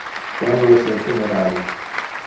Quando es le funeral?